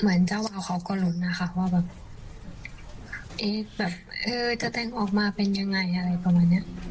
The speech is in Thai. เจ้าวาวเขาก็ลุ้นนะคะว่าแบบเอ๊ะแบบเออจะแต่งออกมาเป็นยังไงอะไรประมาณเนี้ย